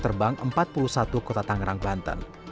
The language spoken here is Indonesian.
terbang empat puluh satu kota tangerang banten